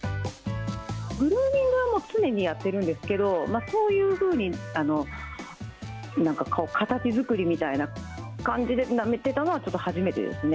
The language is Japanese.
グルーミングはもう常にやってるんですけど、こういうふうに、なんか形作りみたいな感じでなめてたのはちょっと初めてですね。